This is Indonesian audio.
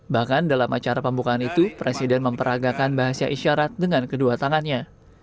bahkan dalam acara pembukaan itu presiden memperagakan bahasa isyarat dengan kedua tangannya